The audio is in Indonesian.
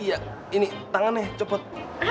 iya ini tangannya copot